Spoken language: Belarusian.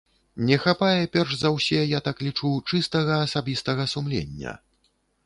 Не хапае, перш за ўсе, я так лічу, чыстага асабістага сумлення.